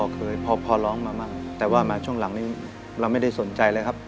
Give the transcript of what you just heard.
เคยพอพอเล่องมาแต่ว่ามาจังหลังนึงเรามันไม่ได้สนใจเลยครับ